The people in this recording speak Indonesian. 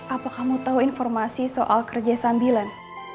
apa kamu tahu informasi soal kerja sambilan